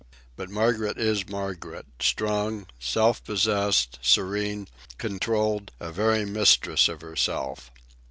But Margaret is Margaret, strong, self possessed, serene, controlled, a very mistress of herself.